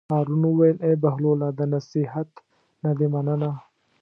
هارون وویل: ای بهلوله د نصیحت نه دې مننه.